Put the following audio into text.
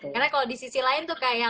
karena kalo di sisi lain tuh kayak